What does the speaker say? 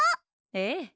ええ。